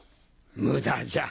無駄じゃ。